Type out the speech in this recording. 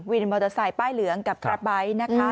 วินมอเตอร์ไซค์ป้ายเหลืองกับกราฟไบท์นะคะ